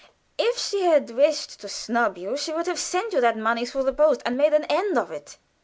If she had wished to snub you she would have sent you that money through the post, and made an end of it.